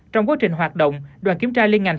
trong quá trình hoạt động đoàn kiểm tra liên ngành